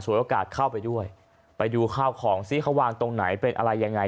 โอกาสเข้าไปด้วยไปดูข้าวของซิเขาวางตรงไหนเป็นอะไรยังไง